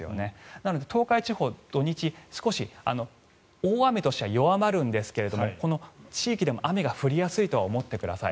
なので東海地方土日、少し大雨としては弱まるんですがこの地域でも雨は降りやすいと思ってください。